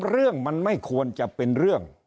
เรื่องมันไม่ควรจะเป็นเรื่อง